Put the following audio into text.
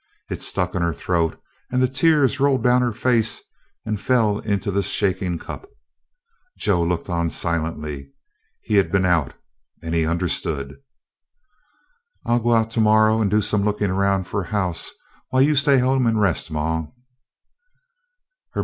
It stuck in her throat, and the tears rolled down her face and fell into the shaking cup. Joe looked on silently. He had been out and he understood. "I 'll go out to morrow and do some looking around for a house while you stay at home an' rest, ma."